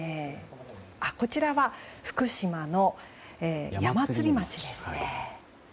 こちらは福島の矢祭町ですね。